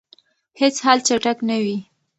هیڅ حل چټک نه وي.